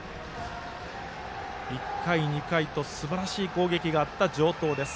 １回、２回とすばらしい攻撃のあった城東です。